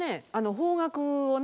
方角をね